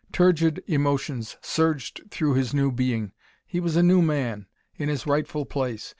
Turgid emotions surged through his new being. He was a new man. In his rightful place.